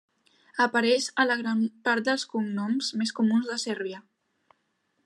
Apareix en la gran part dels cognoms més comuns de Sèrbia.